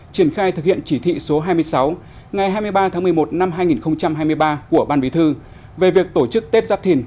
triển khai thực hiện chỉ thị số hai mươi sáu ngày hai mươi ba tháng một mươi một năm hai nghìn hai mươi ba của ban bí thư về việc tổ chức tết giáp thìn